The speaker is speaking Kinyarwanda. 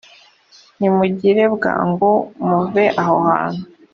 nimugire bwangu muve aha hantu